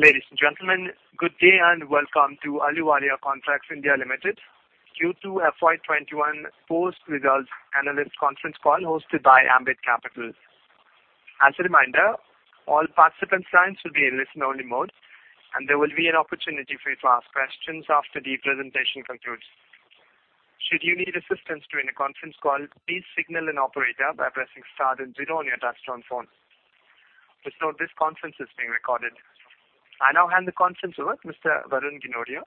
Ladies and gentlemen, good day and welcome to Ahluwalia Contracts (India) Limited Q2 FY 2021 Post-Results Analyst Conference Call hosted by Ambit Capital. As a reminder, all participant lines will be in listen-only mode, and there will be an opportunity for you to ask questions after the presentation concludes. Should you need assistance during the conference call, please signal an operator by pressing star then zero on your touchtone phone. Just note, this conference is being recorded. I now hand the conference over to Mr. Varun Ginodia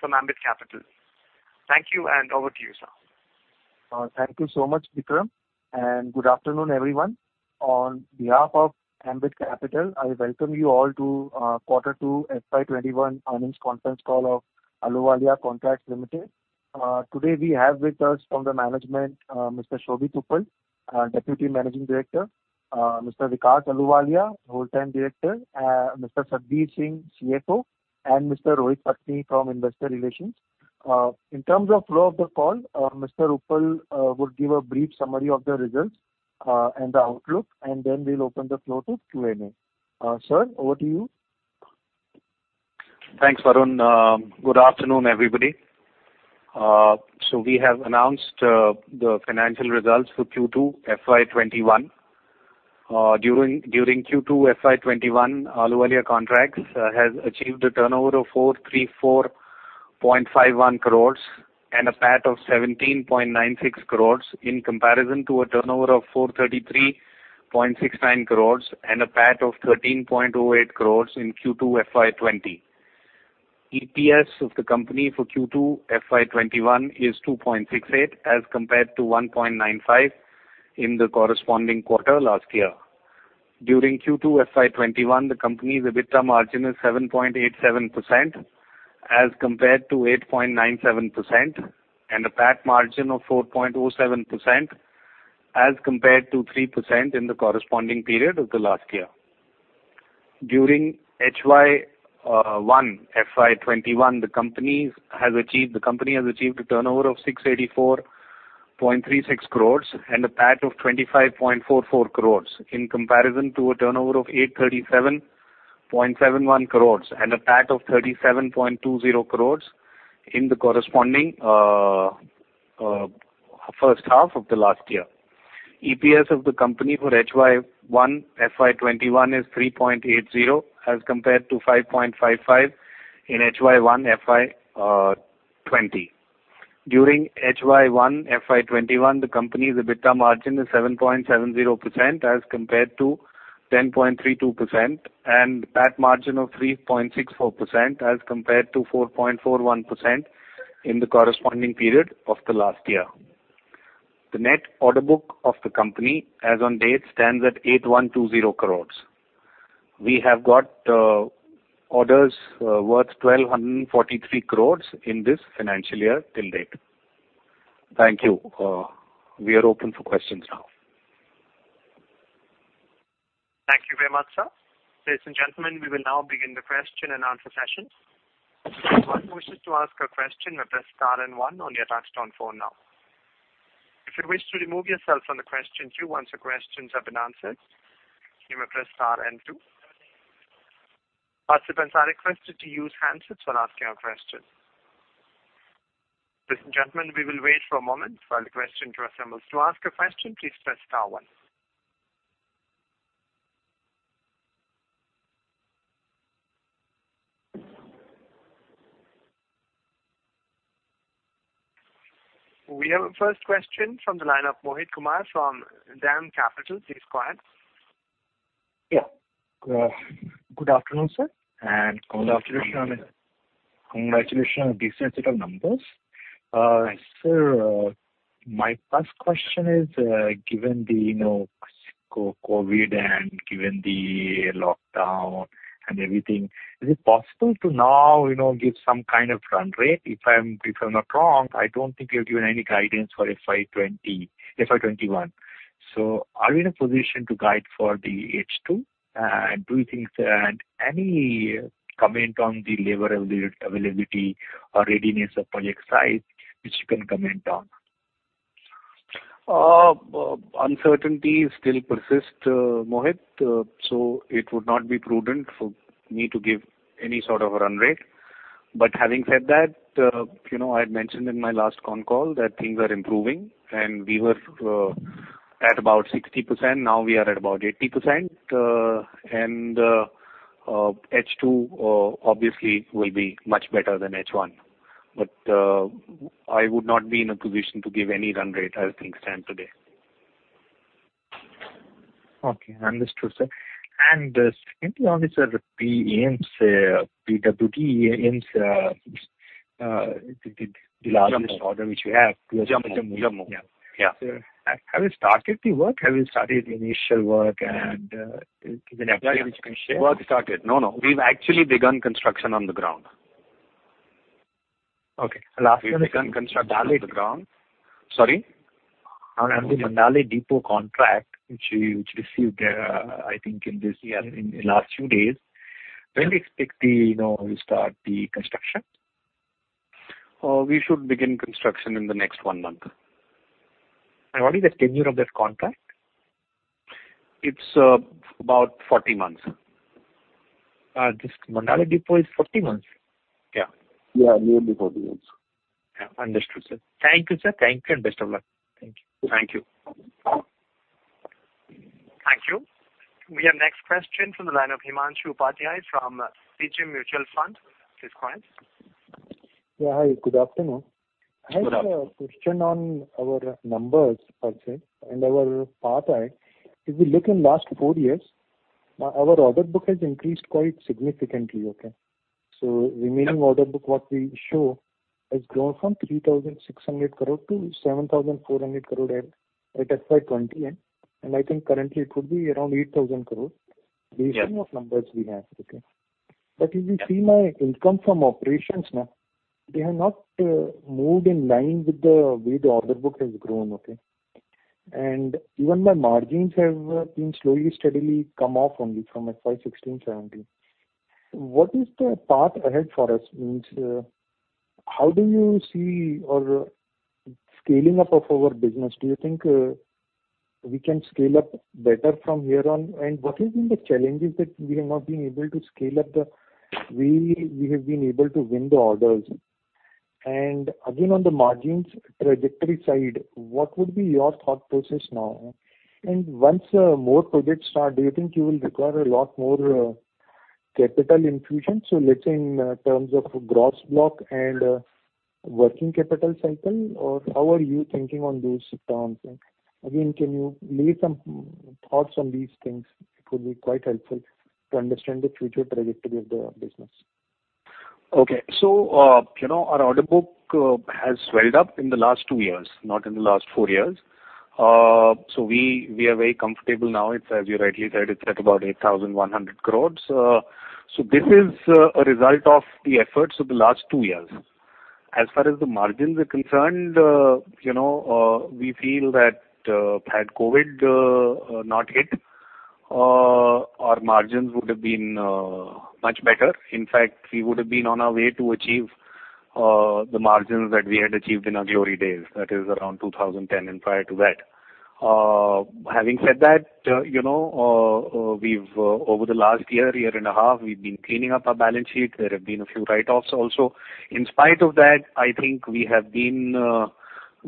from Ambit Capital. Thank you, and over to you, sir. Thank you so much, Vikram, and good afternoon, everyone. On behalf of Ambit Capital, I welcome you all to quarter two FY 2021 earnings conference call of Ahluwalia Contracts Limited. Today we have with us from the management, Mr. Shobhit Uppal, Deputy Managing Director, Mr. Vikas Ahluwalia, Whole-time Director, Mr. Satbeer Singh, CFO, and Mr. Rohit Patni from Investor Relations. In terms of flow of the call, Mr. Uppal will give a brief summary of the results and the outlook, and then we'll open the floor to Q&A. Sir, over to you. Thanks, Varun. Good afternoon, everybody. We have announced the financial results for Q2 FY 2021. During Q2 FY 2021, Ahluwalia Contracts has achieved a turnover of 434.51 crores and a PAT of 17.96 crores, in comparison to a turnover of 433.69 crores and a PAT of 13.08 crores in Q2 FY 2020. EPS of the company for Q2 FY 2021 is 2.68, as compared to 1.95 in the corresponding quarter last year. During Q2 FY 2021, the company's EBITDA margin is 7.87%, as compared to 8.97%, and a PAT margin of 4.07%, as compared to 3% in the corresponding period of the last year. During H1 FY 2021, the company has achieved a turnover of 684.36 crore and a PAT of 25.44 crore, in comparison to a turnover of 837.71 crore and a PAT of 37.20 crore in the corresponding first half of the last year. EPS of the company for H1 FY 2021 is 3.80, as compared to 5.55 in H1 FY 2020. During H1 FY 2021, the company's EBITDA margin is 7.70%, as compared to 10.32%, and PAT margin of 3.64%, as compared to 4.41% in the corresponding period of the last year. The net order book of the company, as on date, stands at 8,120 crores. We have got orders worth 1,243 crores in this financial year till date. Thank you. We are open for questions now. Thank you very much, sir. Ladies and gentlemen, we will now begin the question and answer session. If anyone wishes to ask a question, press star and one on your touchtone phone now. If you wish to remove yourself from the question queue once your questions have been answered, you may press star and two. Participants are requested to use handsets when asking a question. Ladies and gentlemen, we will wait for a moment while the questions assembles. To ask a question, please press star one. We have a first question from the line of Mohit Kumar from DAM Capital. Please go ahead. Yeah. Good afternoon, sir. Good afternoon. Congratulations on the, congratulations on a decent set of numbers. Sir, my first question is, given the, you know, COVID and given the lockdown and everything, is it possible to now, you know, give some kind of run rate? If I'm not wrong, I don't think you've given any guidance for FY 2020, FY 2021. So are we in a position to guide for the H2, and do you think that any comment on the labor availability or readiness of project size, which you can comment on? Uncertainty still persist, Mohit, so it would not be prudent for me to give any sort of a run rate. But having said that, you know, I had mentioned in my last con call that things are improving, and we were at about 60%. Now, we are at about 80%, and H2, obviously will be much better than H1. But I would not be in a position to give any run rate as things stand today. Okay, understood, sir. Secondly, obviously, the PWD AIIMS, the largest order which you have. Yeah. Yeah. Have you started the work? Have you started the initial work and, given update which you can share? Work started. No, no, we've actually begun construction on the ground. Okay. Last year. We've begun construction on the ground. Sorry? On the Mandale Depot contract, which you received, I think in this year, in last few days, when do you expect the, you know, to start the construction? We should begin construction in the next one month. What is the tenure of that contract? It's about 40 months. This Mandale Depot is 40 months? Yeah, nearly 40 months. Yeah, understood, sir. Thank you, sir. Thank you, and best of luck. Thank you. Thank you. Thank you. We have next question from the line of Himanshu Upadhyay from PGIM Mutual Fund. Please go ahead. Yeah, hi, good afternoon. Good afternoon. I have a question on our numbers per se and our path ahead. If you look in last four years, our order book has increased quite significantly, okay? So remaining order book, what we show, has grown from 3,600 crore to 7,400 crore at, at FY 2020. And I think currently it could be around 8,000 crore. Yes. Based on what numbers we have, okay? But if you see my income from operations now, they have not moved in line with the way the order book has grown, okay? And even my margins have been slowly, steadily come off only from FY 2016-2017. What is the path ahead for us? Means, how do you see our scaling up of our business? Do you think we can scale up better from here on? And what has been the challenges that we have not been able to scale up the way we have been able to win the orders? And again, on the margins trajectory side, what would be your thought process now? And once more projects start, do you think you will require a lot more capital infusion, so let's say in terms of gross block and working capital cycle, or how are you thinking on those terms? And again, can you leave some thoughts on these things? It would be quite helpful to understand the future trajectory of the business? Okay. So, you know, our order book has swelled up in the last two years, not in the last four years. So we are very comfortable now. It's as you rightly said, it's at about 8,100 crores. So this is a result of the efforts of the last two years. As far as the margins are concerned, you know, we feel that, had COVID not hit, our margins would have been much better. In fact, we would have been on our way to achieve the margins that we had achieved in our glory days, that is around 2010 and prior to that. Having said that, you know, we've over the last year, year and a half, we've been cleaning up our balance sheet. There have been a few write-offs also. In spite of that, I think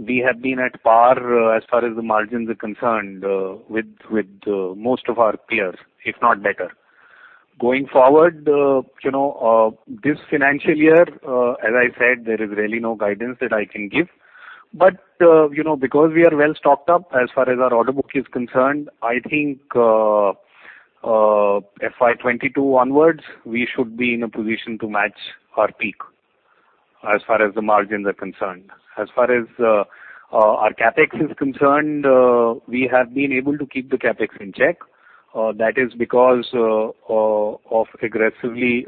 we have been at par as far as the margins are concerned with most of our peers, if not better. Going forward, you know, this financial year, as I said, there is really no guidance that I can give, but you know, because we are well stocked up as far as our order book is concerned, I think FY 2022 onwards, we should be in a position to match our peak as far as the margins are concerned. As far as our CapEx is concerned, we have been able to keep the CapEx in check. That is because of aggressively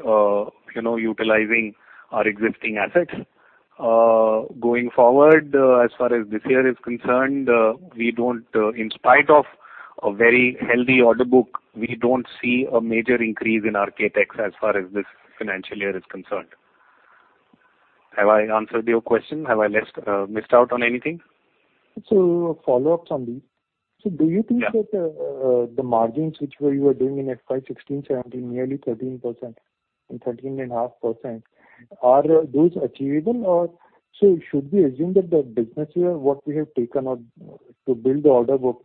you know, utilizing our existing assets. Going forward, as far as this year is concerned, we don't, in spite of a very healthy order book, we don't see a major increase in our CapEx as far as this financial year is concerned. Have I answered your question? Have I left, missed out on anything? A follow-up on this. Yeah. So do you think that, the margins which were, you were doing in FY 2016, 2017, nearly 13% and 13.5%, are those achievable? Or so should we assume that the business here, what we have taken on to build the order book,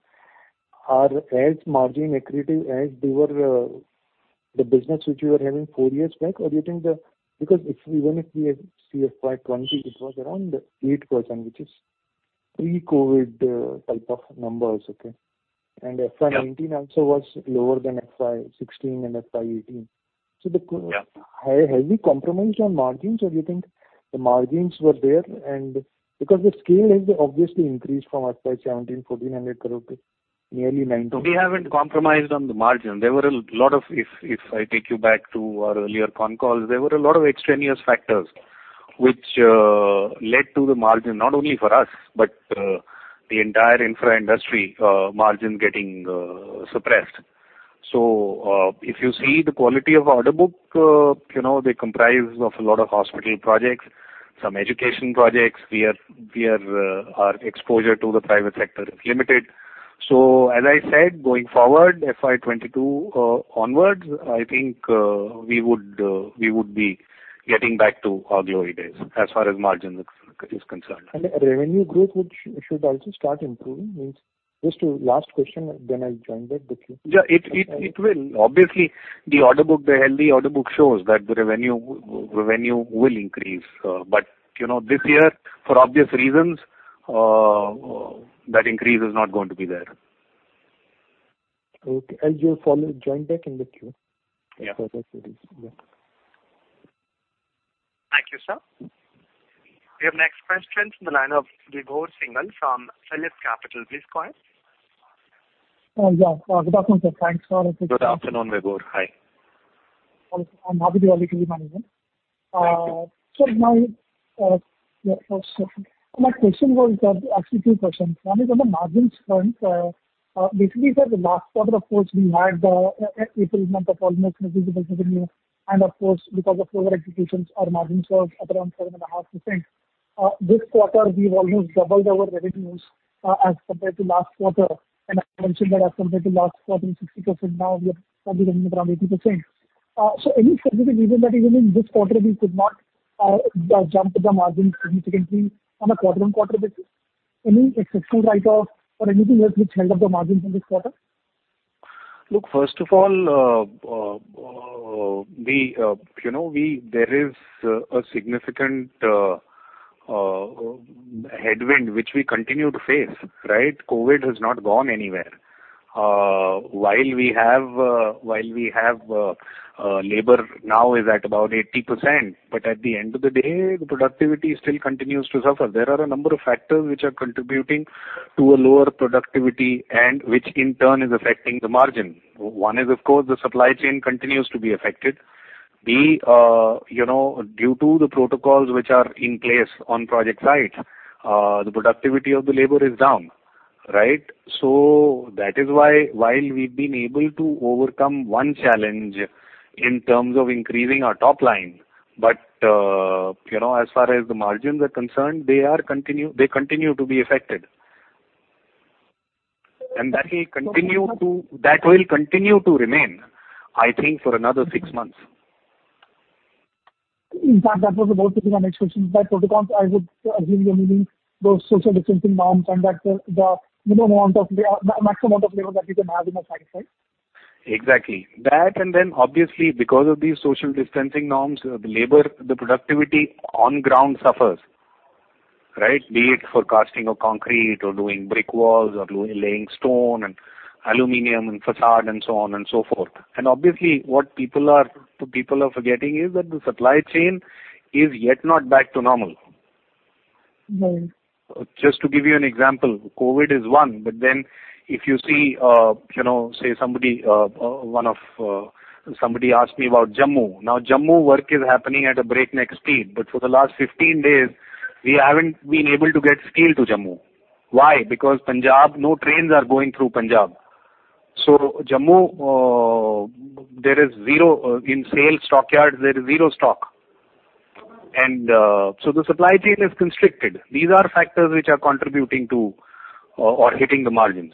are as margin accretive as they were, the business which you were having four years back? Or you think that because if we, even if we see FY 2020, it was around 8%, which is pre-COVID, type of numbers, okay? Yeah. FY 2019 also was lower than FY 2016 and FY 2018. Yeah. So, have we compromised on margins, or you think the margins were there and because the scale has obviously increased from FY 17, 1,400 crore, nearly 1,900 crore? We haven't compromised on the margin. There were a lot of. If I take you back to our earlier con calls, there were a lot of extraneous factors which led to the margin, not only for us, but the entire infra industry, margin getting suppressed. So, if you see the quality of order book, you know, they comprise of a lot of hospital projects, some education projects. We are, our exposure to the private sector is limited. So as I said, going forward, FY 2022 onwards, I think, we would be getting back to our glory days as far as margin is concerned. The revenue growth should also start improving? Means, just a last question, and then I'll join back the queue. Yeah, it will. Obviously, the healthy order book shows that the revenue will increase. But, you know, this year, for obvious reasons, that increase is not going to be there. Okay. As you follow, join back in the queue. Yeah. Okay, yes. Thank you, sir. Your next question from the line of Vibhor Singhal from PhillipCapital. Please go ahead. Yeah. Good afternoon, sir. Thanks a lot. Good afternoon, Vibhor. Hi. I'm happy to welcome you, management. So my, yeah, so my question was, actually two questions. One is on the margins front. Basically, for the last quarter, of course, we had the April month was almost negligible, and of course, because of lower executions, our margins were at around 7.5%. This quarter, we've almost doubled our revenues, as compared to last quarter, and I mentioned that as compared to last quarter, 60%, now we are probably running around 80%. So any specific reason that even in this quarter we could not jump the margins significantly on a quarter-on-quarter basis? Any exceptional write-off or anything else which held up the margins in this quarter? Look, first of all, you know, there is a significant headwind which we continue to face, right? COVID has not gone anywhere. While we have labor now is at about 80%, but at the end of the day, the productivity still continues to suffer. There are a number of factors which are contributing to a lower productivity, and which in turn is affecting the margin. One is, of course, the supply chain continues to be affected. B, you know, due to the protocols which are in place on project site, the productivity of the labor is down, right? So that is why, while we've been able to overcome one challenge in terms of increasing our top line, but, you know, as far as the margins are concerned, they continue to be affected. That will continue to, that will continue to remain, I think, for another six months. In fact, that was about to be my next question. By protocols, I would assume you're meaning those social distancing norms and that the max amount of labor that we can have in a site, right? Exactly. That, and then obviously, because of these social distancing norms, the labor, the productivity on ground suffers, right? Be it for casting of concrete or doing brick walls or laying stone and aluminum and facade and so on and so forth. Obviously, what people are, people are forgetting is that the supply chain is yet not back to normal. Just to give you an example, COVID is one, but then if you see, you know, say somebody, one of, somebody asked me about Jammu. Now, Jammu work is happening at a breakneck speed, but for the last 15 days, we haven't been able to get steel to Jammu. Why? Because Punjab, no trains are going through Punjab. So Jammu, there is sale stockyards, there is zero stock. And, so the supply chain is constricted. These are factors which are contributing to, or hitting the margins.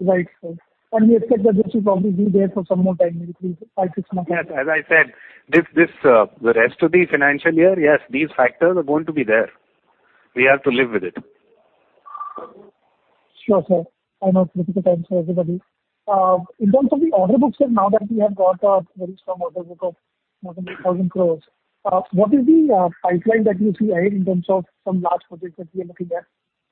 Right, sir. We expect that this will probably be there for some more time, maybe five, six months. Yes, as I said, this, the rest of the financial year, yes, these factors are going to be there. We have to live with it. Sure, sir. I know it's difficult times for everybody. In terms of the order books, and now that we have got a very strong order book of more than 8,000 crore, what is the pipeline that you see ahead in terms of some large projects that we are looking at?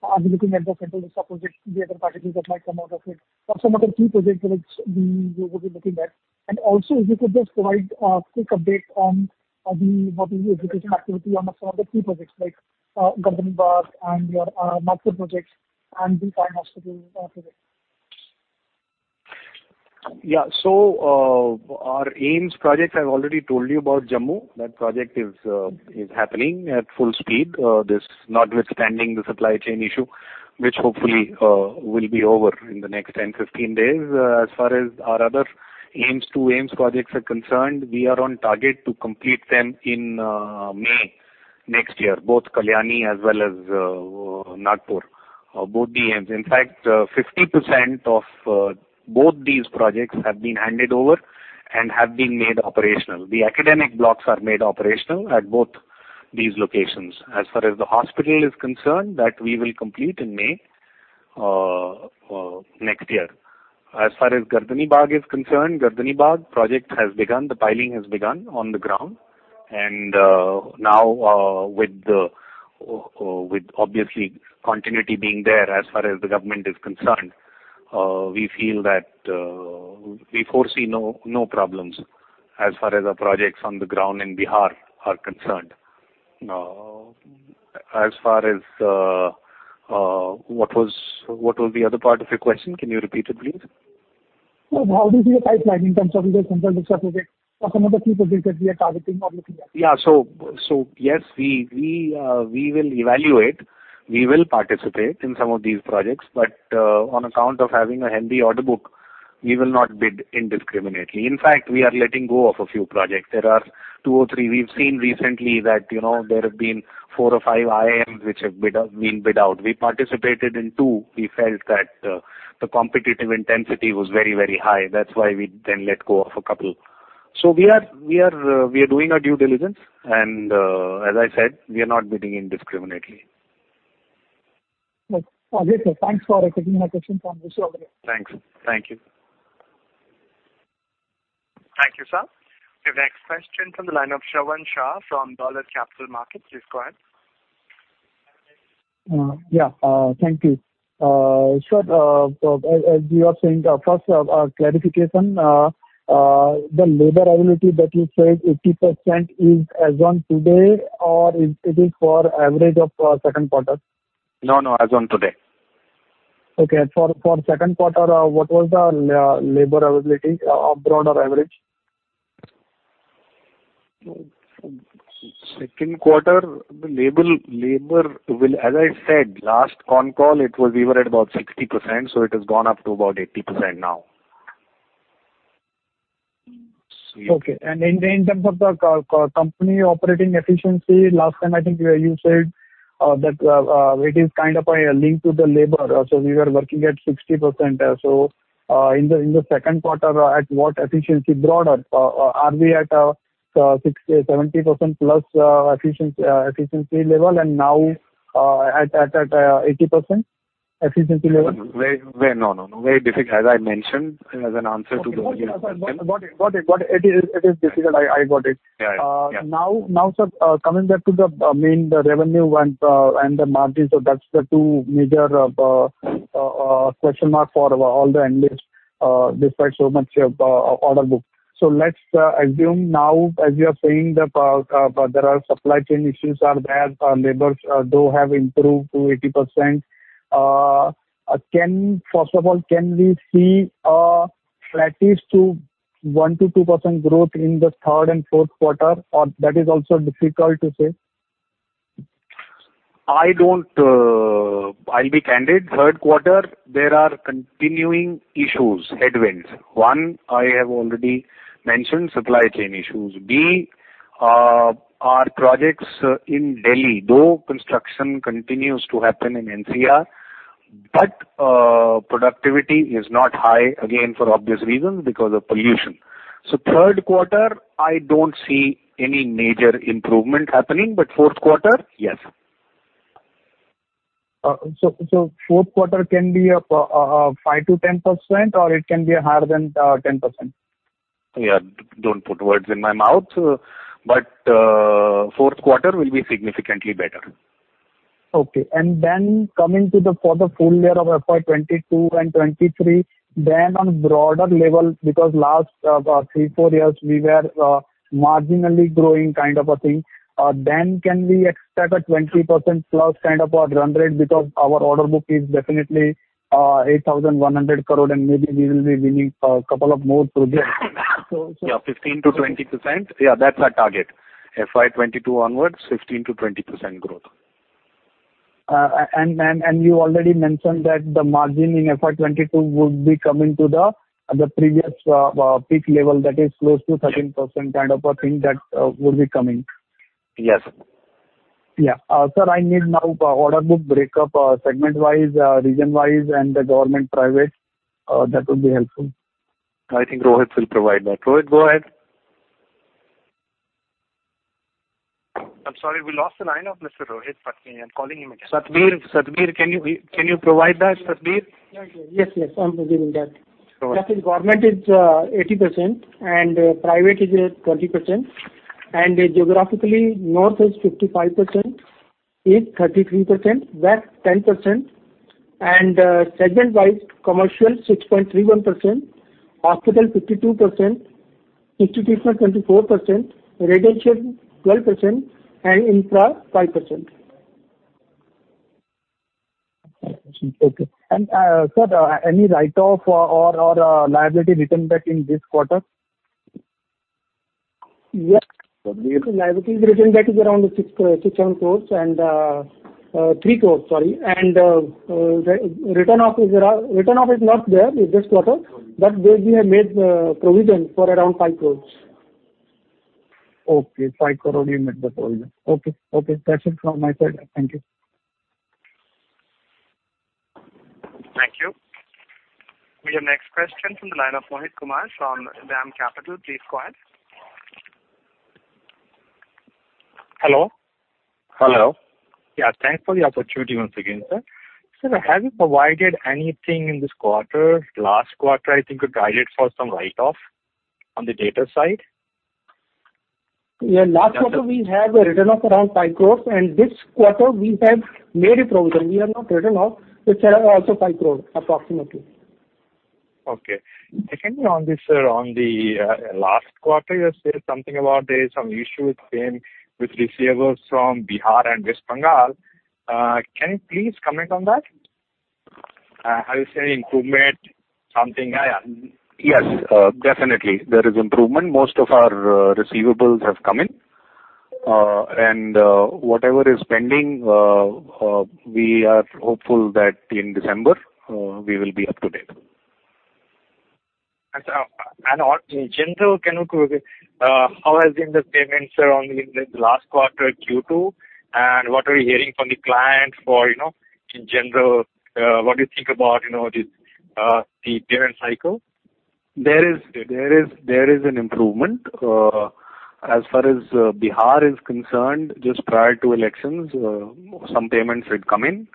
Are we looking at the Central Vista project, the other projects that might come out of it, or some of the key projects which we will be looking at? And also, if you could just provide a quick update on the execution activity on some of the key projects like Gardanibagh and your Nagpur projects and the Sion Hospital project? Yeah. So, our AIIMS project, I've already told you about Jammu. That project is happening at full speed, this notwithstanding the supply chain issue, which hopefully will be over in the next 10, 15 days. As far as our other AIIMS, two AIIMS projects are concerned, we are on target to complete them in May next year, both Kalyani as well as Nagpur, both the AIIMS. In fact, 50% of both these projects have been handed over and have been made operational. The academic blocks are made operational at both these locations. As far as the hospital is concerned, that we will complete in May next year. As far as Gardanibagh is concerned, Gardanibagh project has begun. The piling has begun on the ground. Now, with obviously continuity being there as far as the government is concerned, we feel that we foresee no, no problems as far as our projects on the ground in Bihar are concerned. As far as what was, what was the other part of your question? Can you repeat it, please? How do you see the pipeline in terms of the Central Vista Project or some of the key projects that we are targeting or looking at? Yeah. So yes, we will evaluate, we will participate in some of these projects, but on account of having a healthy order book, we will not bid indiscriminately. In fact, we are letting go of a few projects. There are two or three. We've seen recently that, you know, there have been four or five AIIMS which have been bid out. We participated in two. We felt that the competitive intensity was very, very high. That's why we then let go of a couple. So we are doing our due diligence, and as I said, we are not bidding indiscriminately. Okay, sir. Thanks for taking my question from this over. Thanks. Thank you. Thank you, sir. The next question from the line of Shravan Shah from Dolat Capital Markets. Please go ahead. Yeah, thank you. So, as you are saying, first, clarification, the labor availability that you said, 80%, is as on today, or is it for average of second quarter? No, no, as on today. Okay, for second quarter, what was the labor availability, abroad or average? Second quarter, the labor will. As I said, last con call, we were at about 60%, so it has gone up to about 80% now. Okay. And in terms of the company operating efficiency, last time I think you said that it is kind of a link to the labor. So we were working at 60%. So in the second quarter, at what efficiency broader? Are we at 60-70% plus efficiency level, and now at 80% efficiency level? No, no, no. Very difficult, as I mentioned, as an answer to the question. Got it. Got it. It is, it is difficult. I, I got it. Yeah, yeah. Now, sir, coming back to the main, the revenue and the margin, so that's the two major question mark for all the analysts, despite so much of order book. So let's assume now, as you are saying that there are supply chain issues are there, labors though have improved to 80%. First of all, can we see at least 1% to 2% growth in the third and fourth quarter, or that is also difficult to say? I don't. I'll be candid. Third quarter, there are continuing issues, headwinds. One, I have already mentioned, supply chain issues. B, our projects in Delhi, though construction continues to happen in NCR, but, productivity is not high, again, for obvious reasons, because of pollution. So third quarter, I don't see any major improvement happening, but fourth quarter, yes. So, fourth quarter can be 5% to 10%, or it can be higher than 10%? Yeah. Don't put words in my mouth, but fourth quarter will be significantly better. Okay. And then coming to the, for the full year of FY 2022 and 2023, then on broader level, because last, three, four years, we were, marginally growing kind of a thing. Then can we expect a 20%+ kind of a run rate? Because our order book is definitely, 8,100 crore, and maybe we will be winning a couple of more projects. Yeah, 15%-20%. Yeah, that's our target. FY 2022 onwards, 15%-20% growth. You already mentioned that the margin in FY 22 would be coming to the previous peak level, that is close to 13% kind of a thing that will be coming. Yes. Yeah. Sir, I need now order book breakup, segment-wise, region-wise, and the government private. That would be helpful. I think Rohit will provide that. Rohit, go ahead. I'm sorry, we lost the line of Mr. Rohit, but I'm calling him again. Satbeer, can you provide that, Satbeer? Yes, yes, I'm providing that. Go ahead. Government is 80% and private is 20%. Geographically, North is 55%, East 33%, West 10%. Segment-wise: Commercial 6.31%, Hospital 52%, Institutional 24%, Retention 12%, and Infra 5%. Okay. And, sir, any write-off or liability written back in this quarter? Yes. Liability written back is around 6-7 crores and 3 crores, sorry. Retention is not there in this quarter, but we have made provision for around 5 crores. Okay, INR 5 crore you made the provision. Okay, okay, that's it from my side. Thank you. Thank you. We have next question from the line of Mohit Kumar from DAM Capital. Please go ahead. Hello? Hello. Yeah, thanks for the opportunity once again, sir. Sir, have you provided anything in this quarter, last quarter, I think you guided for some write-off on the data side? Yeah, last quarter we had a write-off around 5 crore, and this quarter we have made a provision. We have not written off, which are also 5 crore, approximately. Okay. Secondly on this, sir, on the last quarter, you said something about there is some issue with payment- with receivables from Bihar and West Bengal. Can you please comment on that? Have you seen improvement, something? Yes, definitely, there is improvement. Most of our receivables have come in. And whatever is pending, we are hopeful that in December we will be up to date. In general, can you, how has been the payments around in the last quarter, Q2? And what are you hearing from the client for, you know, in general, what do you think about, you know, this, the payment cycle? There is an improvement. As far as Bihar is concerned, just prior to elections, some payments did come in,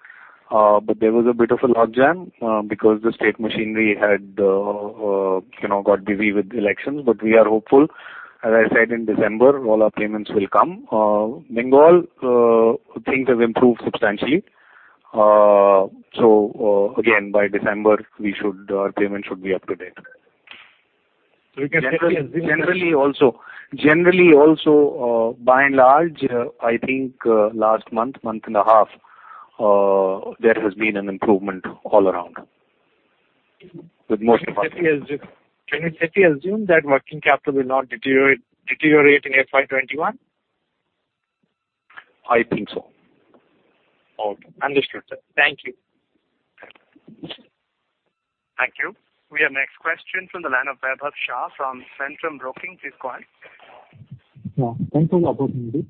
but there was a bit of a logjam, because the state machinery had, you know, got busy with elections. But we are hopeful. As I said, in December, all our payments will come. Bengal, things have improved substantially. So, again, by December, we should, payment should be up to date. Generally also, by and large, I think, last month, month and a half, there has been an improvement all around with most of our clients. Can we safely assume that working capital will not deteriorate in FY 2021? I think so. Okay. Understood, sir. Thank you. Thank you. We have next question from the line of Vaibhav Shah from Centrum Broking. Please go ahead. Yeah, thanks for the opportunity.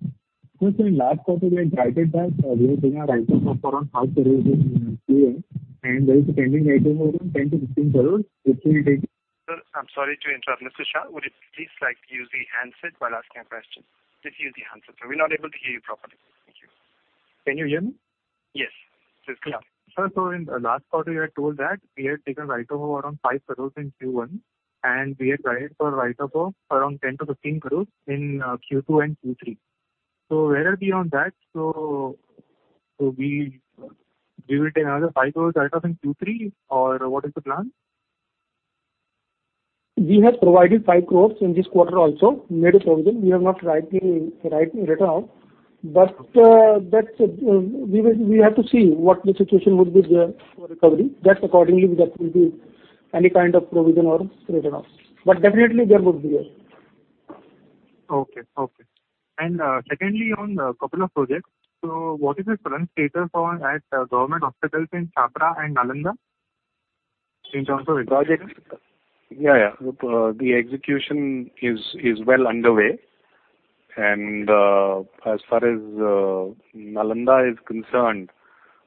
In last quarter, we were guided that we were doing a write-off of around 5 crore in Q1, and there is a pending write-off of around 10 crore-15 crore, which we take. Sir, I'm sorry to interrupt. Mr. Shah, would you please like to use the handset while asking a question? Just use the handset. So we're not able to hear you properly. Thank you. Can you hear me? Yes. Please go on. Sir, in the last quarter, you had told that we had taken write-off around 5 crore in Q1, and we had guided for a write-off of around 10 crore to 15 crore in Q2 and Q3. So where are we on that? So we will take another 5 crore write-off in Q3, or what is the plan? We have provided 5 crore in this quarter also, made a provision. We have not rightly, rightly written off, but that's, we will we have to see what the situation would be there for recovery. Just accordingly, we have to do any kind of provision or written off, but definitely there would be there. Okay. Okay. And, secondly, on a couple of projects, so what is the current status on the government hospitals in Chapra and Nalanda, in terms of projects? Yeah, yeah. The execution is well underway, and as far as Nalanda is concerned,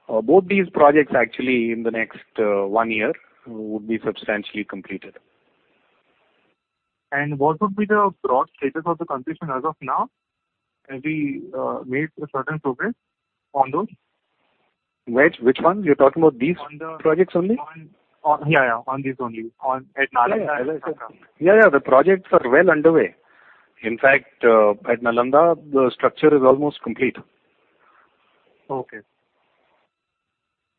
both these projects actually, in the next one year, would be substantially completed. What would be the broad status of the completion as of now? Have we made a certain progress on those? Which, which one? You're talking about these projects only? Yeah, yeah, on these only at Nalanda and Chapra. Yeah, yeah. The projects are well underway. In fact, at Nalanda, the structure is almost complete. Okay.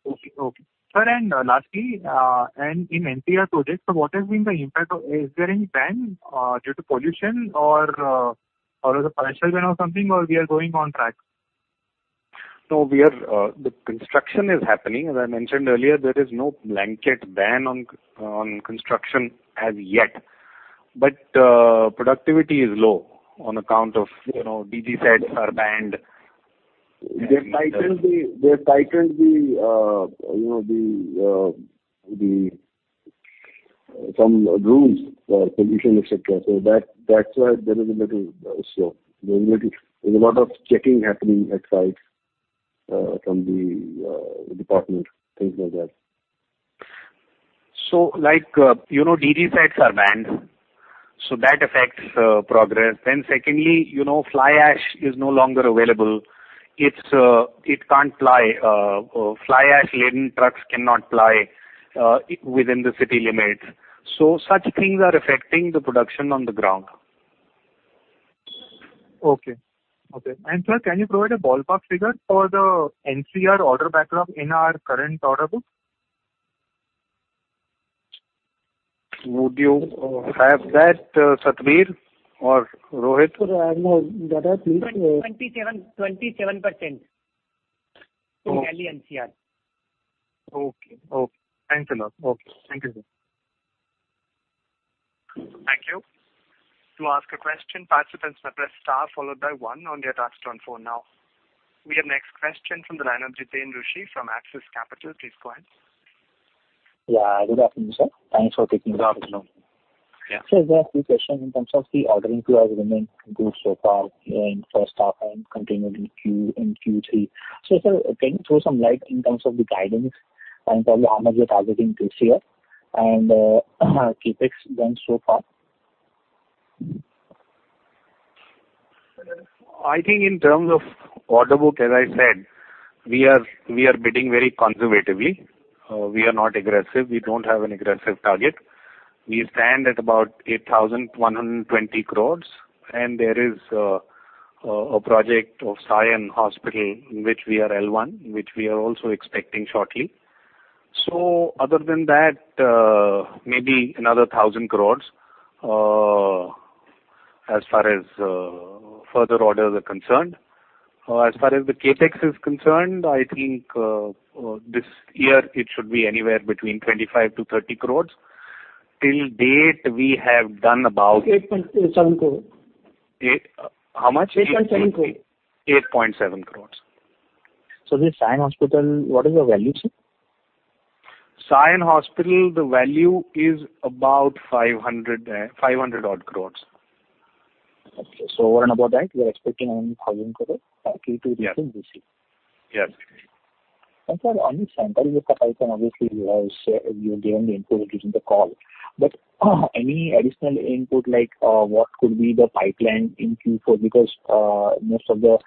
Okay, okay. Sir, and lastly, and in NCR projects, so what has been the impact of is there any ban due to pollution or, or is a partial ban or something, or we are going on track? No, we are, the construction is happening. As I mentioned earlier, there is no blanket ban on, on construction as yet, but, productivity is low on account of, you know, DG sets are banned. They've tightened the, you know, the some rules for pollution, et cetera. So that's why there is a little slow. There is a lot of checking happening at sites, from the department, things like that. So, like, you know, DG sets are banned, so that affects progress. Then secondly, you know, fly ash is no longer available. It's, it can't ply. Fly ash-laden trucks cannot ply within the city limits. So such things are affecting the production on the ground. Okay. Okay. Sir, can you provide a ballpark figure for the NCR order backlog in our current order book? Would you have that, Satbeer or Rohit? Sir, I have no data, please. 27% in Delhi, NCR. Okay. Okay. Thanks a lot. Okay. Thank you, sir. Thank you. To ask a question, participants may press star followed by one on their touchtone phone now. We have next question from the line of Jiten Rushi from Axis Capital. Please go ahead. Yeah, good afternoon, sir. Thanks for taking our call. Yeah. Sir, there are a few questions in terms of the ordering, so far in first half and continuing Q2 and Q3. So sir, can you throw some light in terms of the guidance and tell me how much you're targeting this year, and CapEx done so far? I think in terms of order book, as I said, we are bidding very conservatively. We are not aggressive. We don't have an aggressive target. We stand at about 8,120 crores, and there is a project of Sion Hospital, in which we are L1, which we are also expecting shortly. So other than that, maybe another 1,000 crores, as far as further orders are concerned. As far as the CapEx is concerned, I think this year, it should be anywhere between 25 crores to 30 crores. Till date, we have done about. 8.7 crores. 8 crore. How much? 8.7 crores. 8.7 crores. The Sion Hospital, what is the value, sir? Sion Hospital, the value is about 500 odd crores. Okay. So what about that? You are expecting only 1,000 crore to this year? Yes. And sir, on this Central Vista project, obviously, you have said, you have given the input during the call. But any additional input, like, what could be the pipeline in Q4? Because, most of the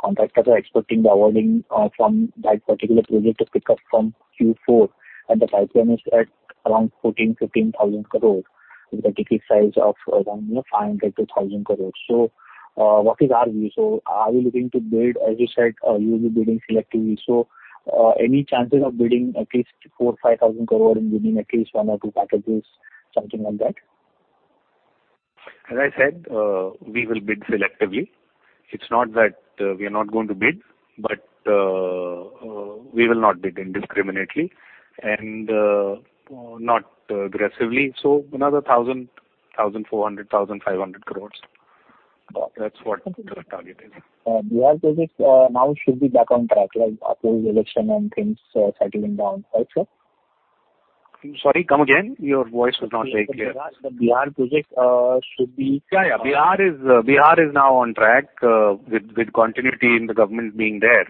contractors are expecting the awarding, from that particular project to pick up from Q4, and the pipeline is at around 14,000 to 15,000 crore, with a ticket size of around, you know, 500 to 1,000 crore. So, what is our view? So are we looking to bid? As you said, you'll be bidding selectively. So, any chances of bidding at least 4,000 to 5,000 crore in winning at least one or two packages, something like that? As I said, we will bid selectively. It's not that we are not going to bid, but we will not bid indiscriminately and not aggressively. So another 1,000, 1,400, 1,500 crores. That's what the target is. Bihar projects, now should be back on track, like, after the election and things settling down, right, sir? I'm sorry, come again? Your voice was not very clear. Bihar, the Bihar project, should be. Yeah, yeah. Bihar is, Bihar is now on track, with, with continuity in the government being there.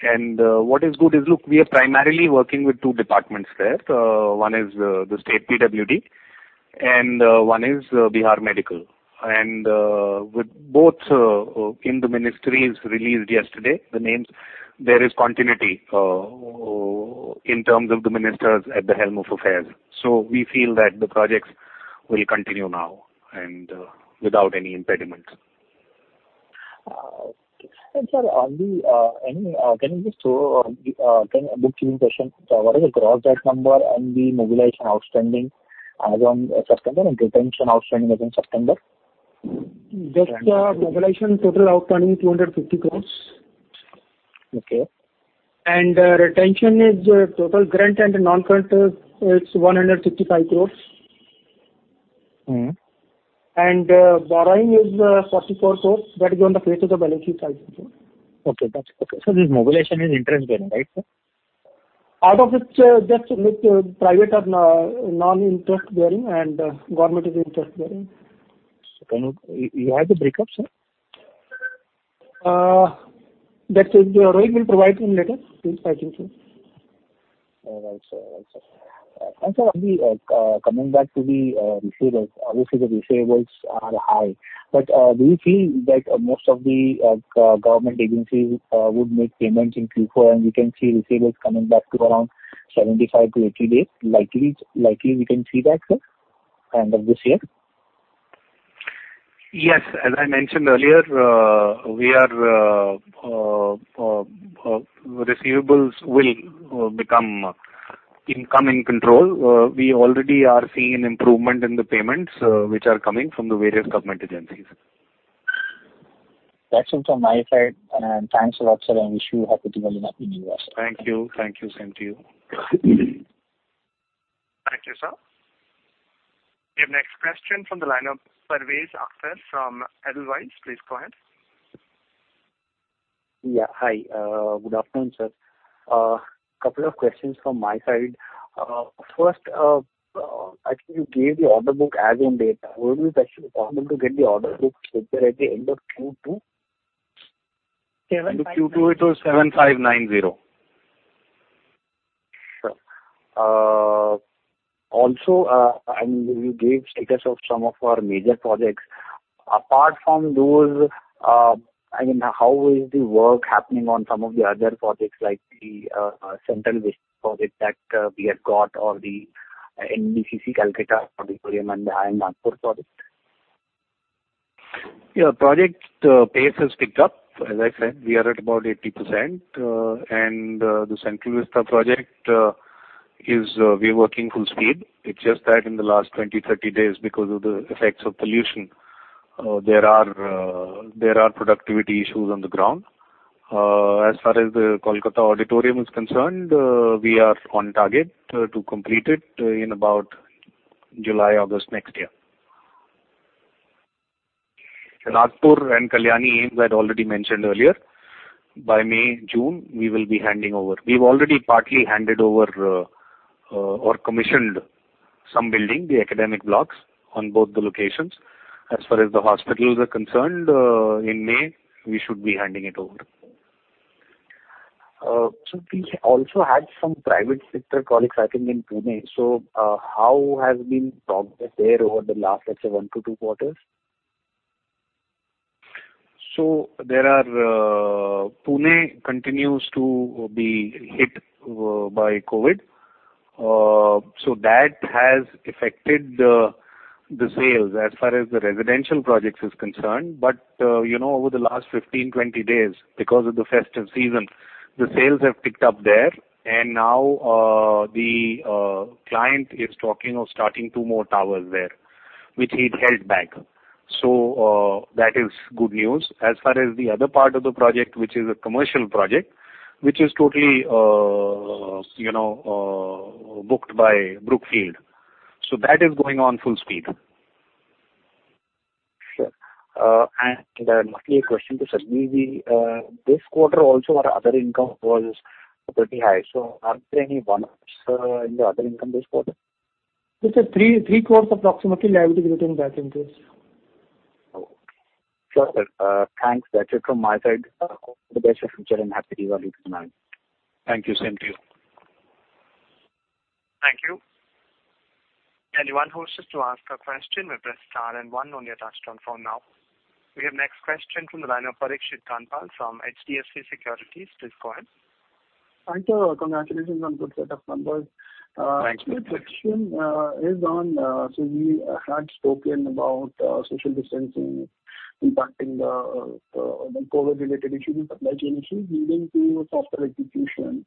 And, what is good is, look, we are primarily working with two departments there. One is, the state PWD, and, one is, Bihar Medical. And, with both, in the ministries released yesterday, the names, there is continuity, in terms of the ministers at the helm of affairs. So we feel that the projects will continue now, and, without any impediments. Sir, can you just throw a bookkeeping question. What is the gross debt number and the mobilization outstanding as on September, and retention outstanding as on September? Just, mobilization total outstanding, 250 crore. Okay. Retention is total current and non-current. It's 155 crore. Borrowing is 44 crore. That is on the face of the balance sheet side. Okay, that's okay. So this mobilization is interest-bearing, right, sir? Out of it, just with private or non-interest bearing, and government is interest bearing. So, you have the breakups, sir? That is, Rohit will provide to you later. Please talk to him. All right, sir. Right, sir. And sir, on the, coming back to the, receivables, obviously, the receivables are high, but, do you feel like most of the, government agencies, would make payments in Q4, and we can see receivables coming back to around 75 to 80 days, likely, likely we can see that, sir, end of this year? Yes. As I mentioned earlier, our receivables will come under control. We already are seeing an improvement in the payments, which are coming from the various government agencies. That's it from my side, and thanks a lot, sir, and wish you happy developing in the year, sir. Thank you. Thank you. Same to you. Thank you, sir. Your next question from the line of Parvez Akhtar from Edelweiss. Please go ahead. Yeah. Hi, good afternoon, sir. Couple of questions from my side. First, I think you gave the order book as on date. Would it be possible to get the order book figure at the end of Q2? In the Q2, it was 7,590. Sure. Also, and you gave status of some of our major projects. Apart from those, I mean, how is the work happening on some of the other projects like the central project that we have got or the NBCC Kolkata and the Nagpur project? Yeah, project pace has picked up. As I said, we are at about 80%, and the Central Vista project is we are working full speed. It's just that in the last 20 to 30 days, because of the effects of pollution, there are there are productivity issues on the ground. As far as the Kolkata auditorium is concerned, we are on target to complete it in about July-August next year. Nagpur and Kalyani, as I'd already mentioned earlier, by May-June, we will be handing over. We've already partly handed over or commissioned some building, the academic blocks, on both the locations. As far as the hospitals are concerned, in May, we should be handing it over. So we also had some private sector projects, I think, in Pune. So, how has been progress there over the last, let's say, one to two quarters? So there are Pune continues to be hit by COVID, so that has affected the sales as far as the residential projects is concerned. But you know, over the last 15, 20 days, because of the festive season, the sales have picked up there, and now the client is talking of starting 2 more towers there, which he'd held back. So that is good news. As far as the other part of the project, which is a commercial project, which is totally you know booked by Brookfield, so that is going on full speed. Sure. Then lastly, a question to Satbeer. This quarter also, our other income was pretty high, so are there any one-offs in the other income this quarter? It's 3.3 crores, approximately, liability written back in this quarter? Oh, okay. Sure, sir. Thanks. That's it from my side. All the best for future, and happy developing, ma'am. Thank you. Same to you. Thank you. Anyone who wishes to ask a question, may press star and one on your touchtone phone now. We have next question from the line of Parikshit Kandpal from HDFC Securities. Please go ahead. Hi, sir. Congratulations on good set of numbers. Thank you. My question is on, so you had spoken about social distancing impacting the COVID-related issue, the supply chain issue, leading to softer execution.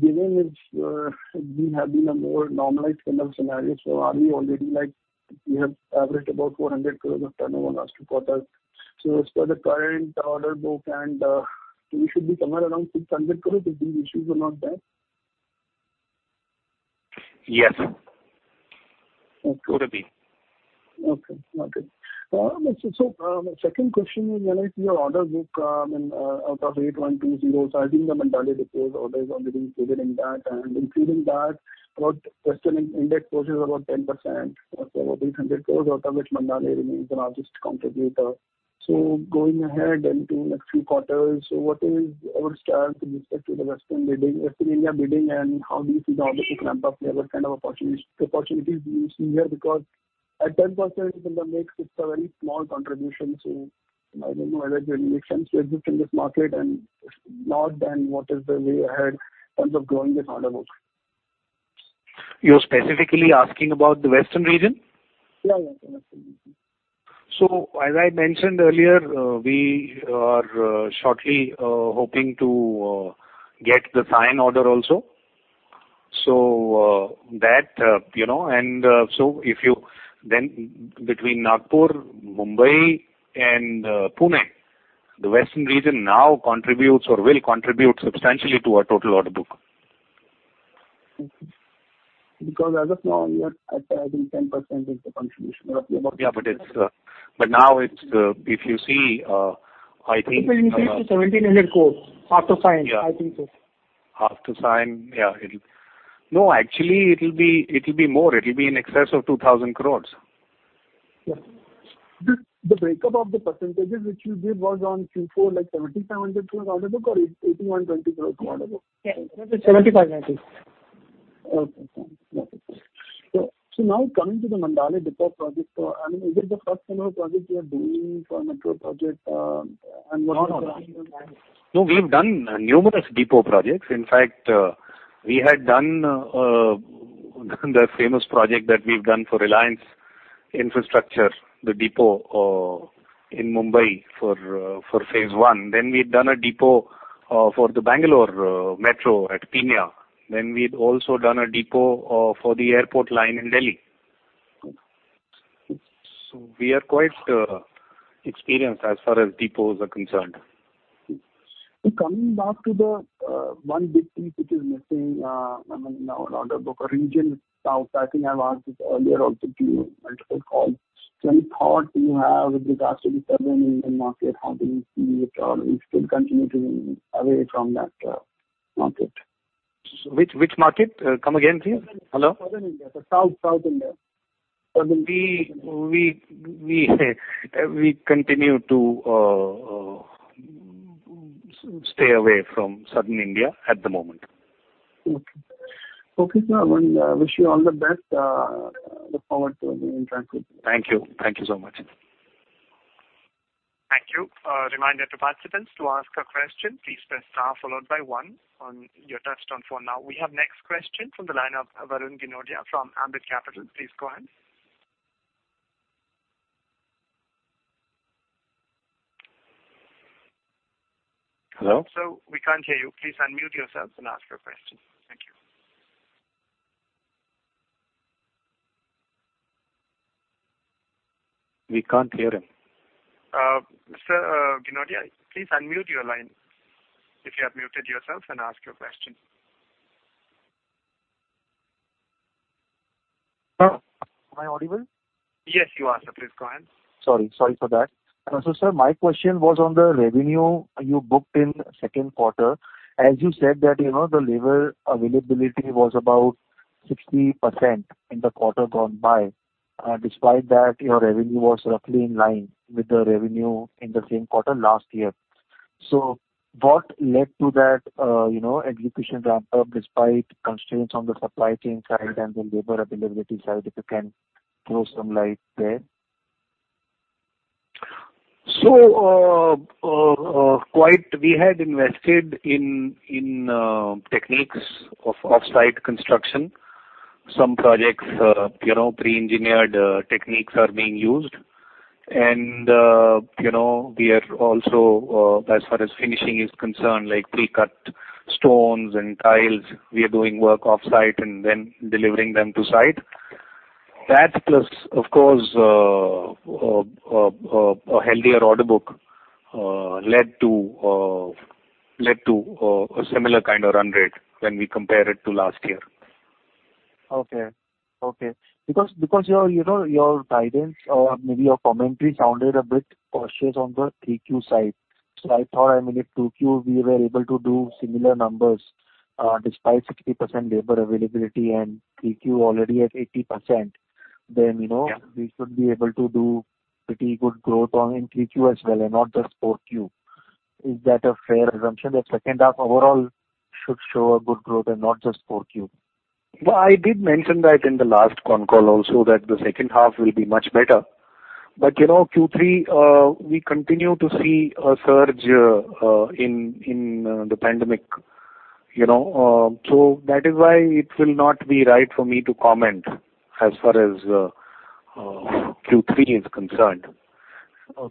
Given it's, we have been a more normalized kind of scenario, so are we already like we have averaged about 400 crore of turnover last two quarters? So as per the current order book and, we should be somewhere around 600 crore if these issues are not there? Yes. Would it be? Okay, okay. So, my second question is related to your order book, and out of 8,120 crore, so I think the Mandale Depot's orders are being included in that. And including that, about Western India clocks about 10%, or so about 800 crore, out of which Mandale remains the largest contributor. So going ahead into next few quarters, so what is your strategy with respect to the Western India bidding, Western India bidding, and how do you see the order book ramp up? What kind of opportunities, opportunities do you see here? Because at 10%, it makes it a very small contribution, so I don't know whether it makes sense to exist in this market, and if not, then what is the way ahead in terms of growing this order book? You're specifically asking about the Western region? Yeah, yeah, the Western region. So as I mentioned earlier, we are shortly hoping to get the Sion order also. That, you know, and so if you then between Nagpur, Mumbai, and Pune, the western region now contributes or will contribute substantially to our total order book. Okay. Because as of now, you're at, I think, 10% is the contribution of the- Yeah, but it's but now it's, if you see, I think. It will increase to 1,700 crore after Sion. Yeah. After Sion, yeah. No, actually, it'll be, it'll be more. It'll be in excess of 2,000 crore. Yeah. The breakup of the percentages which you gave was on Q4, like 77 into order book or 81, INR 20 crore order book? Yeah, it was 7,590. Okay, fine. Got it. So now coming to the Mandale Depot project, I mean, is it the first similar project you are doing for a metro project, and what are the. No, no. No, we've done numerous depot projects. In fact, we had done the famous project that we've done for Reliance Infrastructure, the depot, in Mumbai for phase I. Then we've done a depot for the Bangalore metro at Peenya. Then we've also done a depot for the airport line in Delhi. So we are quite experienced as far as depots are concerned. Coming back to the one big piece which is missing, I mean, in our order book or region south, I think I've asked this earlier also to you, multiple calls. So any thought you have with regards to the southern Indian market, how do you see it, or you still continue to be away from that market? Which, which market? Come again, please. Hello? Southern India. We continue to stay away from Southern India at the moment. Okay. Okay, sir. Well, wish you all the best. Look forward to being in touch with you. Thank you. Thank you so much. Thank you. A reminder to participants, to ask a question, please press star followed by one on your touchtone phone. Now, we have next question from the line of Varun Ginodia from Ambit Capital. Please go ahead. Hello? Sir, we can't hear you. Please unmute yourself and ask your question. Thank you. We can't hear him. Mr. Ginodia, please unmute your line, if you have muted yourself, and ask your question. Hello, am I audible? Yes, you are, sir. Please go ahead. Sorry, sorry for that. So sir, my question was on the revenue you booked in second quarter. As you said, that, you know, the labor availability was about 60% in the quarter gone by. Despite that, your revenue was roughly in line with the revenue in the same quarter last year. So what led to that, you know, execution ramp up, despite constraints on the supply chain side and the labor availability side? If you can throw some light there. We had invested in techniques of off-site construction. Some projects, you know, pre-engineered techniques are being used. And, you know, we are also, as far as finishing is concerned, like pre-cut stones and tiles, we are doing work off-site and then delivering them to site. That plus, of course, a healthier order book led to a similar kind of run rate when we compare it to last year. Okay. Okay. Because, because your, you know, your guidance or maybe your commentary sounded a bit cautious on the Q3 side. So I thought, I mean, if Q2, we were able to do similar numbers, despite 60% labor availability and Q3 already at 80%, then, you know. Yeah We should be able to do pretty good growth on in Q3 as well, and not just Q4. Is that a fair assumption, that second half overall should show a good growth and not just Q4? Well, I did mention that in the last con call also, that the second half will be much better. But, you know, Q3, we continue to see a surge in the pandemic, you know. So that is why it will not be right for me to comment as far as Q3 is concerned.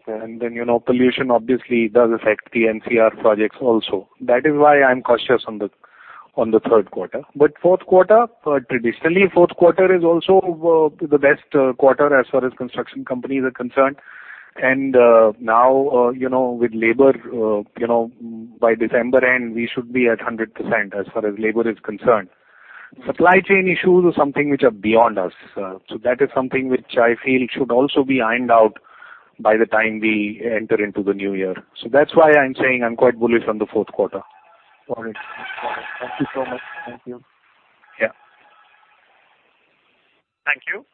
And then, you know, pollution obviously does affect the NCR projects also. That is why I'm cautious on the third quarter. But fourth quarter, traditionally, fourth quarter is also the best quarter as far as construction companies are concerned. And now, you know, with labor, you know, by December end, we should be at 100% as far as labor is concerned. Supply chain issues are something which are beyond us, so that is something which I feel should also be ironed out by the time we enter into the new year. So that's why I'm saying I'm quite bullish on the fourth quarter. All right. Thank you so much. Thank you. Yeah. Thank you.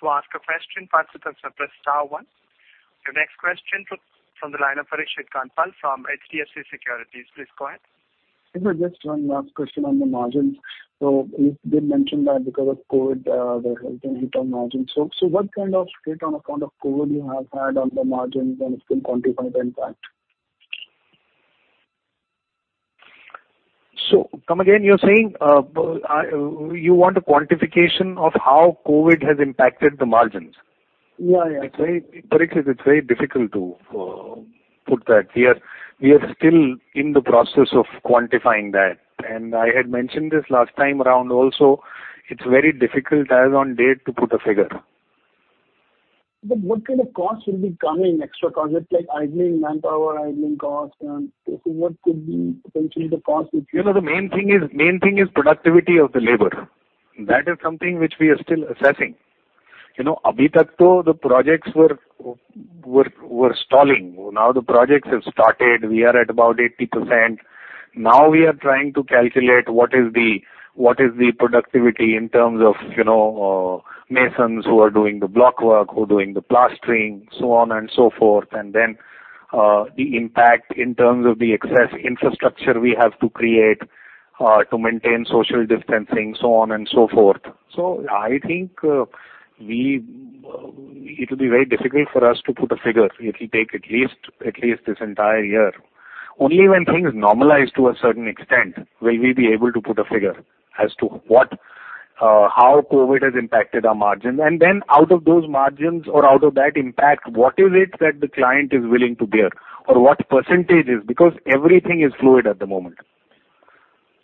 To ask a question, participants are press star one. The next question from the line of Parikshit Kandpal from HDFC Securities. Please go ahead. Just one last question on the margins. So you did mention that because of COVID, the hit on margins. So, so what kind of hit on account of COVID you have had on the margins, and you can quantify the impact? So come again, you're saying, you want a quantification of how COVID has impacted the margins? Yeah, yeah. Parikshit, it's very difficult to put that. We are still in the process of quantifying that, and I had mentioned this last time around also. It's very difficult as on date to put a figure. But what kind of costs will be coming, extra costs, like idling manpower, idling costs, and so what could be potentially the cost, which- You know, the main thing is, main thing is productivity of the labor. That is something which we are still assessing. You know, अभी तक तो the projects were stalling. Now the projects have started. We are at about 80%. Now we are trying to calculate what is the, what is the productivity in terms of, you know, masons who are doing the block work or doing the plastering, so on and so forth, and then, the impact in terms of the excess infrastructure we have to create, to maintain social distancing, so on and so forth. So I think, it will be very difficult for us to put a figure. It will take at least, at least this entire year. Only when things normalize to a certain extent will we be able to put a figure as to what, how COVID has impacted our margins. And then out of those margins or out of that impact, what is it that the client is willing to bear or what percentage is... Because everything is fluid at the moment.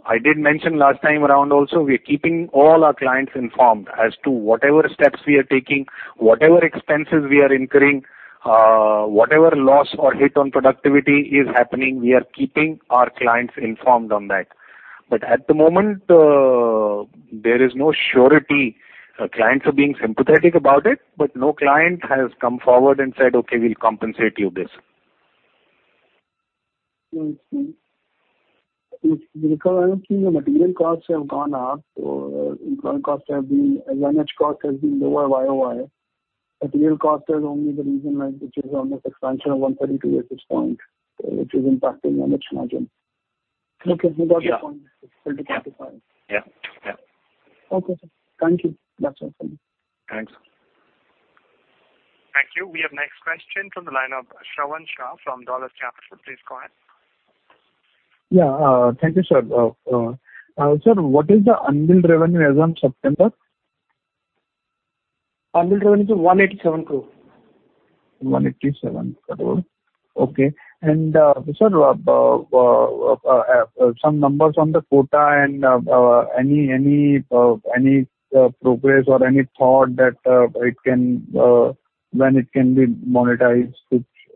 I did mention last time around also, we are keeping all our clients informed as to whatever steps we are taking, whatever expenses we are incurring, whatever loss or hit on productivity is happening, we are keeping our clients informed on that. But at the moment, there is no surety. Clients are being sympathetic about it, but no client has come forward and said, "Okay, we'll compensate you this." I see. Because I think the material costs have gone up, or employee costs have been, manpower costs have been lower YOY. Material costs are only the reason, like, which is on the expansion of 132 at this point, which is impacting our mix margin. Yeah. Okay, we got the point. It's hard to quantify. Yeah, yeah. Okay, sir. Thank you. That's all for me. Thanks. Thank you. We have next question from the line of Shravan Shah from Dolat Capital. Please go ahead. Yeah, thank you, sir. Sir, what is the unbilled revenue as on September? Unbilled revenue is INR 187 crore. INR 187 crore. Okay. And, sir, some numbers on the Kota and, any progress or any thought that it can, when it can be monetized?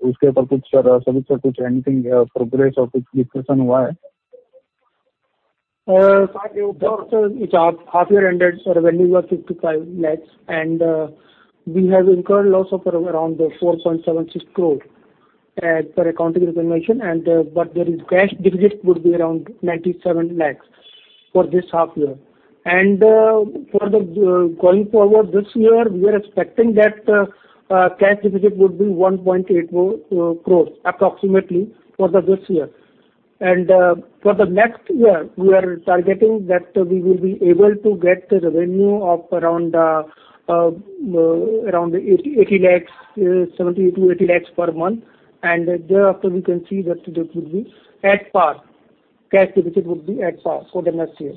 उसके ऊपर कुछ sir, something, sir, anything, progress or कुछ discussion हुआ है? Sir, it's our half year ended, so revenue was 55 lakhs, and we have incurred loss of around 4.76 crores as per accounting information, and but there is cash deficit would be around 97 lakhs for this half year. For the going forward this year, we are expecting that cash deficit would be 1.8 crores more, approximately for this year. For the next year, we are targeting that we will be able to get the revenue of around 80 lakhs, 70 to 80 lakhs per month, and thereafter, we can see that the debt would be at par, cash deficit would be at par for the next year.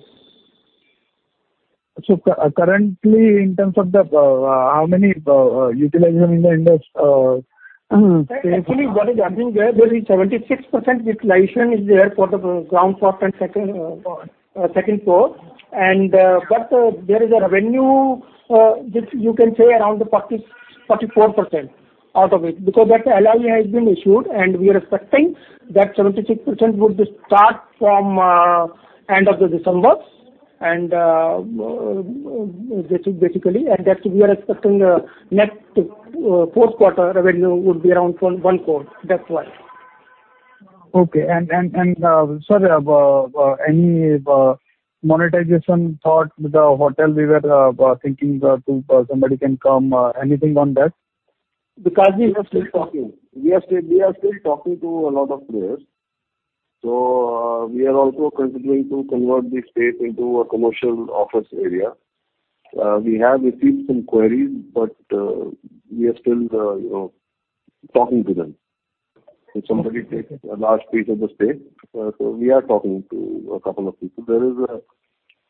Currently, in terms of the how many utilization in the... Actually, what is running there, there is 76% utilization there for the ground floor and second, second floor. And, but there is a revenue, which you can say around the 44% out of it, because that LOI has been issued, and we are expecting that 76% would start from end of December, and, basically, and that we are expecting next fourth quarter revenue would be around 1 crore. That's why. Okay. And, sir, any monetization thought with the hotel we were thinking to somebody can come, anything on that? Because we are still talking. We are still talking to a lot of players. So, we are also considering to convert the space into a commercial office area. We have received some queries, but, we are still, you know, talking to them. If somebody takes a large piece of the space, so we are talking to a couple of people. There is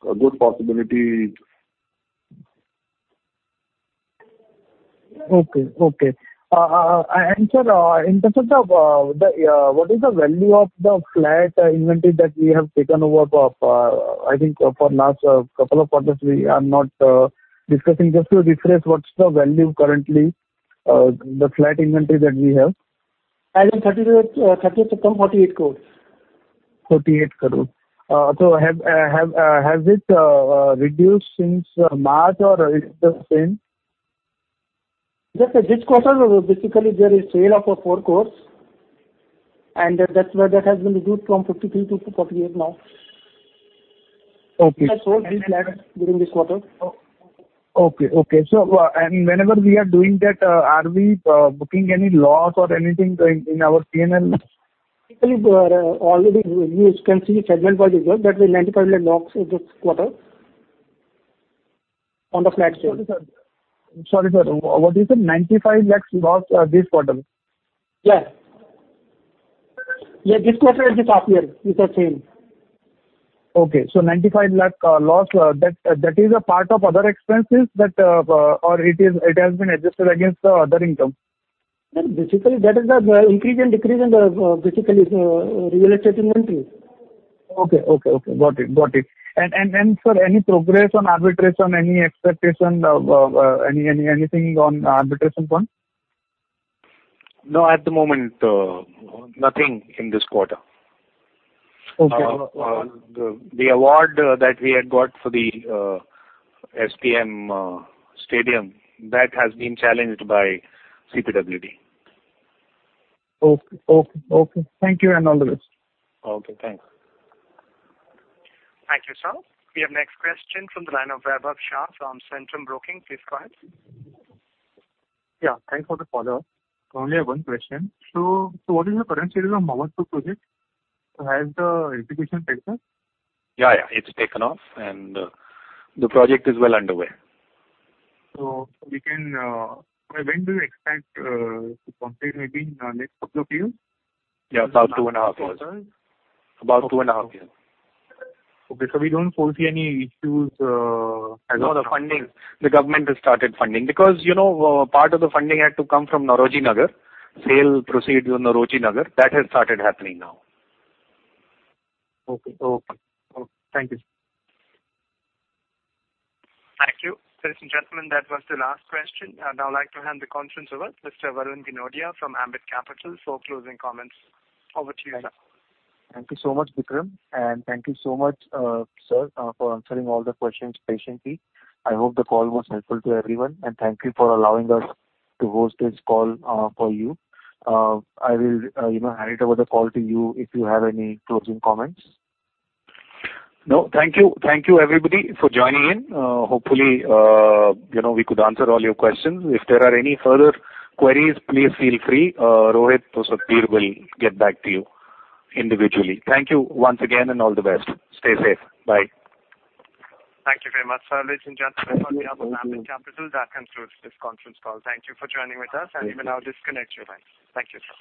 a good possibility. Okay, okay. And sir, in terms of the... What is the value of the flat inventory that we have taken over of, I think for last couple of quarters we are not discussing. Just to refresh, what's the value currently, the flat inventory that we have? As of 30th September, 48 crore. 48 crore. So has it reduced since March, or it's the same? Just this quarter, basically, there is sale of a four crores, and that's why that has been reduced from 53 to 48 now. Okay. During this quarter. Okay, okay. So, and whenever we are doing that, are we booking any loss or anything in, in our P&L? People who are already, you can see segment-wise, that was 95 lakh loss in this quarter on the flat sale. Sorry, sir. What do you say? 95 lakhs loss, this quarter? Yeah. Yeah, this quarter it is up here, you can see. Okay, so 95 lakh loss, that, that is a part of other expenses that, or it is- it has been adjusted against the other income? Sir, basically, that is the increase and decrease in the basically real estate inventory. Okay, okay, okay. Got it. Got it. And sir, any progress on arbitration? Any expectation of anything on arbitration front? No, at the moment, nothing in this quarter. Okay. The award that we had got for the SPM Swimming Pool Complex has been challenged by CPWD. Okay, okay, okay. Thank you, and all the best. Okay, thanks. Thank you, sir. We have next question from the line of Vaibhav Shah from Centrum Broking. Please go ahead. Yeah, thanks for the follow-up. Only one question: So what is the current status of Mohammadpur project? Has the execution taken? Yeah, yeah, it's taken off, and the project is well underway. We can. When do you expect to complete, maybe, next couple of years? Yeah, about 2.5 years. About 2.5 years. Okay, so we don't foresee any issues. No, the funding. The government has started funding. Because, you know, part of the funding had to come from Nauroji Nagar. Sale proceeds from Nauroji Nagar, that has started happening now. Okay, okay. Okay, thank you. Thank you. Ladies and gentlemen, that was the last question. I'd now like to hand the conference over to Mr. Varun Ginodia from Ambit Capital for closing comments. Over to you, sir. Thank you so much, Vikram, and thank you so much, sir, for answering all the questions patiently. I hope the call was helpful to everyone, and thank you for allowing us to host this call, for you. I will, you know, hand over the call to you if you have any closing comments. No, thank you. Thank you, everybody, for joining in. Hopefully, you know, we could answer all your questions. If there are any further queries, please feel free. Rohit or Satbir will get back to you individually. Thank you once again, and all the best. Stay safe. Bye. Thank you very much, sir. Ladies and gentlemen, on behalf of Ambit Capital, that concludes this conference call. Thank you for joining with us, and you may now disconnect your lines. Thank you, sir.